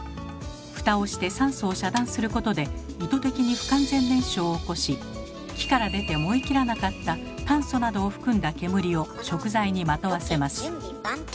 蓋をして酸素を遮断することで意図的に不完全燃焼を起こし木から出て燃えきらなかった炭素などを含んだ煙を食材にまとわせます。